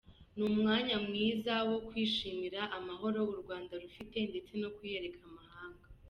Ni umwanya mwiza wo kwishimira Amahoro u Rwanda rufite ndetse no kuyereka amahanga.